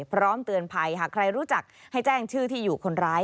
พร้อมเตือนภัยหากใครรู้จักให้แจ้งชื่อที่อยู่คนร้าย